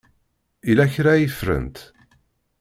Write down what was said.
Yella kra ay ffrent?